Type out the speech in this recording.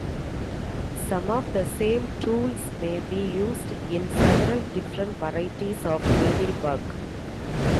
Some of the same tools may be used in several different varieties of needlework.